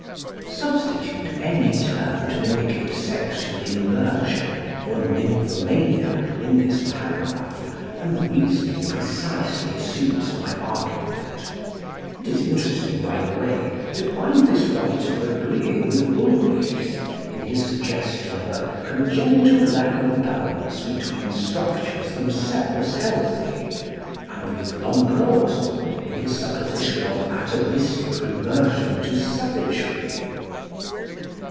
Substitute any term to indicate sexual inversion for "nymphomania" in this paragraph, and the reasoning precisely suits my argument. It is interesting, by the way, to find this writer agreeing with Ulrichs in his suggestion of a "congenital lack of balance between structures themselves healthy," and with Lombroso in his supposition of atavistic reversion to savagery.